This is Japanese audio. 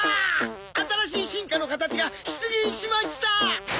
新しい進化の形が出現しました！